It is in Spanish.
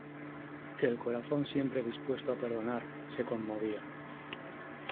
que el corazón siempre dispuesto a perdonar , se conmovía .